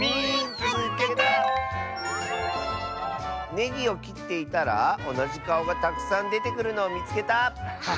「ネギをきっていたらおなじかおがたくさんでてくるのをみつけた！」。